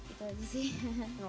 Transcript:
itu aja sih